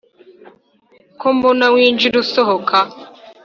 ko mbona winjira usohoka